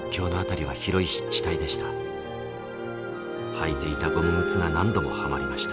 履いていたゴム靴が何度もはまりました。